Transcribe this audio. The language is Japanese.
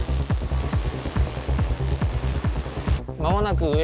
まもなく